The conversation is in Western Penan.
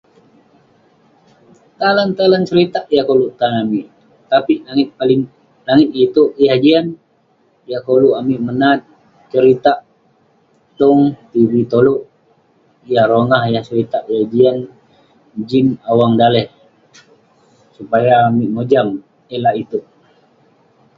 Talan-talan seritak yah koluk tan amik, tapik langit paling- langit iteuk yah jian, yah koluk amik menat, seritak tong tivi tolouk, yah rongah, yah seritak yah jian jin awang daleh supaya amik mojam eh lak iteuk.